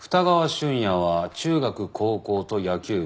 瞬也は中学高校と野球部。